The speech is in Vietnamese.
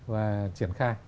và triển khai